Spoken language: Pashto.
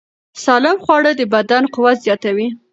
سالم خواړه د بدن قوت زیاتوي.